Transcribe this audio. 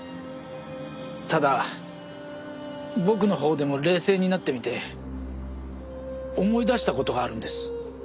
ただ僕のほうでも冷静になってみて思い出した事があるんです。